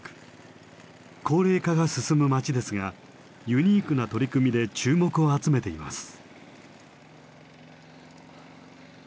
高齢化が進む町ですがユニークな取り組みで注目を集めています。